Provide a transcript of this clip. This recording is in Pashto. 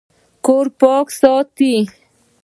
کور پاک ساتئ